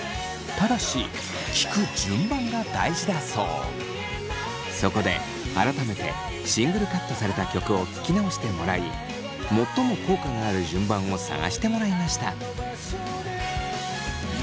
ただしそこで改めてシングルカットされた曲を聴き直してもらい最も効果がある順番を探してもらいました。